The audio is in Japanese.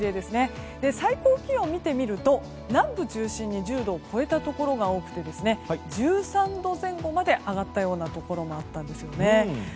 最高気温を見てみると南部を中心に１０度超えたところがありまして１３度前後まで上がったようなところもあったんですね。